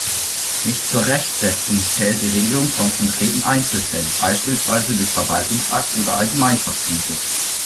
Nicht zur Rechtsetzung zählt die Regelung von konkreten Einzelfällen, beispielsweise durch Verwaltungsakt oder Allgemeinverfügung.